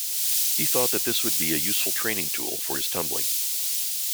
He thought that this would be a useful training tool for his tumbling.